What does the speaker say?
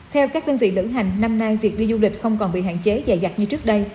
theo các đơn vị lữ hành năm nay việc đi du lịch không còn bị hạn chế dài dặt như trước đây